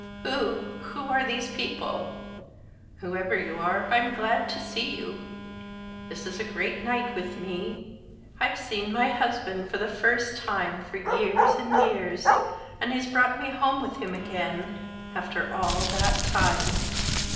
"Who who are these people? Whoever you are, I'm glad to see you; this is a great night with me. I've seen my husband for the first time for years and years, and he's brought me home with him again after all that time.